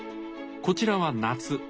こちらは夏。